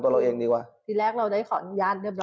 ที่แรกเราเลยขออนุญาตเรียบร้อย